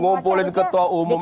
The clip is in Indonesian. ngumpulin ketua umum